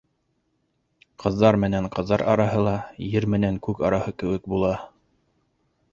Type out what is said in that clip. Ҡыҙҙар менән ҡыҙҙар араһы ла ер менән күк араһы кеүек була.